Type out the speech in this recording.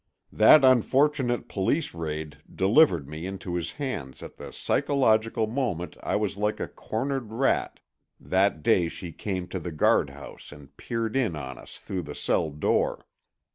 That unfortunate Police raid delivered me into his hands at the psychological moment I was like a cornered rat that day she came to the guardhouse and peered in on us through the cell door.